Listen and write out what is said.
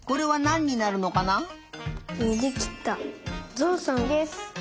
ぞうさんです。